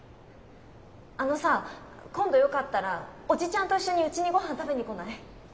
あのさ今度よかったらおじちゃんと一緒にうちにごはん食べに来ない？